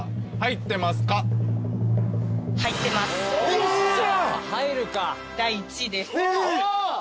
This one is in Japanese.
よっしゃ！